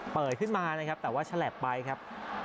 เปิดขึ้นมานะครับแต่ว่าฉลับไปครับ